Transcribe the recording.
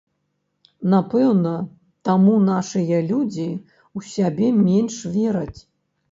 Напэўна, таму нашыя людзі ў сябе менш вераць.